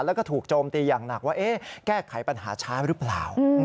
แล้วก็ถูกโจมตีอย่างหนักว่าแก้ไขปัญหาช้าหรือเปล่า